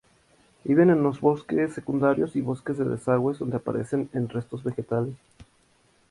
Viven en los bosques secundarios y bosques de desagües donde aparecen en restos vegetales.